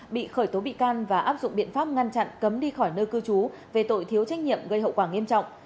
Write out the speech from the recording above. bị khởi tố bị can và áp dụng biện pháp ngăn chặn cấm đi khỏi nơi cư trú về tội thiếu trách nhiệm gây hậu quả nghiêm trọng